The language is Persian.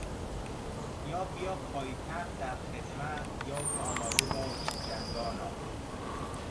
یا بیا پایتخت در خدمت یا که آماده باش جنگانا!